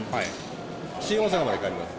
新大阪まで帰ります。